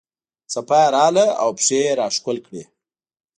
څپه یې راغله او پښې یې راښکل کړې.